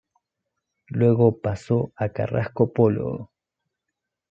Luego pasó a Carrasco Polo.